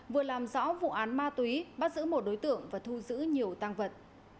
vừa làm rõ vụ án ma túy bắt giữ một đối tượng và thu giữ nhiều tăng vật